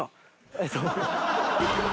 えっと。